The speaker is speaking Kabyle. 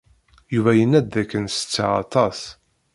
Yuba yenna-d dakken setteɣ aṭas.